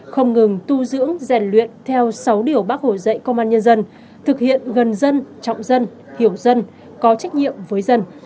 không ngừng tu dưỡng rèn luyện theo sáu điều bác hồ dạy công an nhân dân thực hiện gần dân trọng dân hiểu dân có trách nhiệm với dân